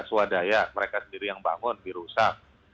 swadaya mereka sendiri yang bangun dirusak